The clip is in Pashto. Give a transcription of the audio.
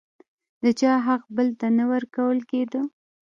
د چا حق بل ته نه ورکول کېده.